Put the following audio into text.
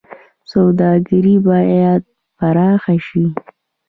سوداګري باید پراخه شي